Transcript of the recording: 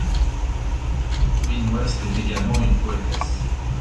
Corinne West est également une poétesse.